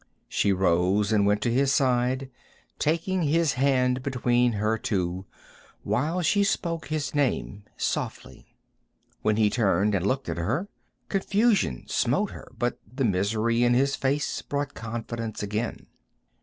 She rose and went to his side, taking his hand between her two, while she spoke his name softly. When he turned and looked at her, confusion smote her, but the misery in his face brought confidence again.